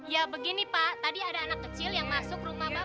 ya begini pak tadi ada anak kecil yang masuk rumah bapak nyumpet dompetnya ibu